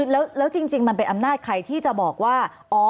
แล้วจริงมันเป็นอำนาจใครที่จะบอกว่า